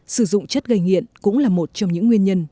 sử dụng chất gây nghiện cũng là một trong những nguyên nhân